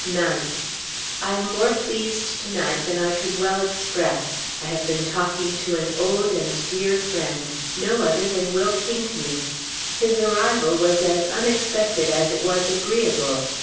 NIGHT. I am more pleased to night than I could well express. I have been talking to an old and dear friend, no other than Will Pinckney! His arrival was as unexpected as it was agreeable.